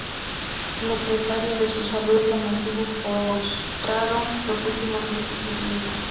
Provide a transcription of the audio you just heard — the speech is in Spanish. Lo precario de su salud lo mantuvo postrado los últimos meses de su vida.